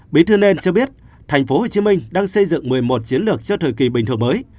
bí thư nên cho biết tp hcm đang xây dựng một mươi một chiến lược cho thời kỳ bình thường mới